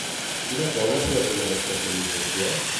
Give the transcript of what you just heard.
Quina fou la seva primera especialització?